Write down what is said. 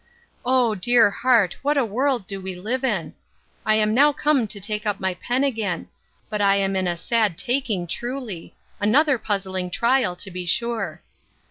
O dear heart! what a world do we live in!—I am now come to take up my pen again: But I am in a sad taking truly! Another puzzling trial, to be sure.